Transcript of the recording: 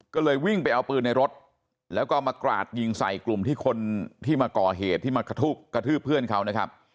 ก็เลยวิ่งไปเอาปืนในรถแล้วก็มากราดยิงใส่กลุ่มที่คนที่มาก่อเหตุที่มากระทืบเพื่อนเขานะครับ